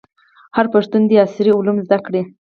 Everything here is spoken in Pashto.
هر پښتون دي عصري علوم زده کړي.